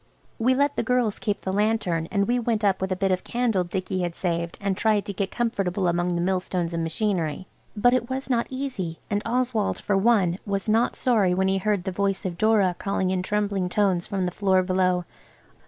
We let the girls keep the lantern, and we went up with a bit of candle Dicky had saved, and tried to get comfortable among the millstones and machinery, but it was not easy, and Oswald, for one, was not sorry when he heard the voice of Dora calling in trembling tones from the floor below.